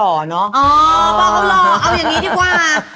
อ๋อพ่อก็รอเอาอย่างนี้ดีกว่า